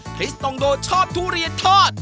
ริสตองโดชอบทุเรียนทอด